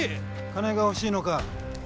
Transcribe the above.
金が欲しいのか。